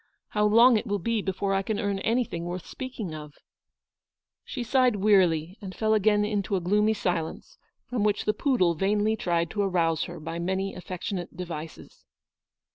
How long it will be before I can earn anything worth speaking of ! n She sighed wearily, and fell again into a gloomy silence, from which the poodle vainly tried to arouse her by many affectionate devices.